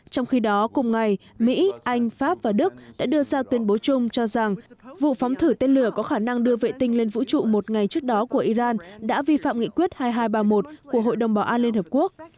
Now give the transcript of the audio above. trong khi đó cùng ngày mỹ anh pháp và đức đã đưa ra tuyên bố chung cho rằng vụ phóng thử tên lửa có khả năng đưa vệ tinh lên vũ trụ một ngày trước đó của iran đã vi phạm nghị quyết hai nghìn hai trăm ba mươi một của hội đồng bảo an liên hợp quốc